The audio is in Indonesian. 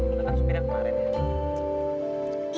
itu kan supir yang kemarin ya